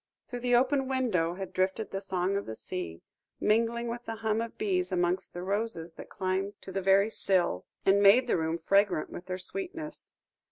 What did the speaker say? Through the open window had drifted the song of the sea, mingling with the hum of bees amongst the roses that climbed to the very sill, and made the room fragrant with their sweetness.